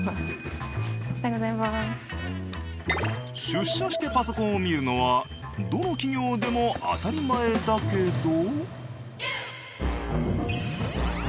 出社してパソコンを見るのはどの企業でも当たり前だけど。